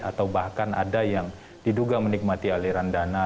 atau bahkan ada yang diduga menikmati aliran dana